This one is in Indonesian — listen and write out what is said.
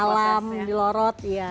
di malam di lorot